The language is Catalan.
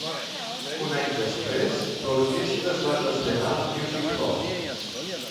Un any després, l'orquestra es va traslladar al Music Hall.